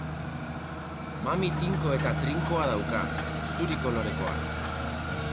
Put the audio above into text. Mami tinko eta trinkoa dauka, zuri kolorekoa.